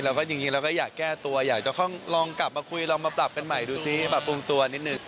แล้วก็อย่างนี้เราก็อยากแก้ตัวอยากจะลองกลับมาคุยลองมาปรับกันใหม่ดูซิปรับปรุงตัวนิดนึง